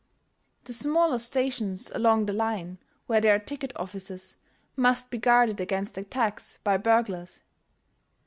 The smaller stations along the line where there are ticket offices must be guarded against attacks by burglars.